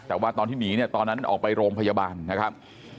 แต่ว่าตอนที่หนีเนี่ยตอนนั้นออกไปโรงพยาบาลนะครับ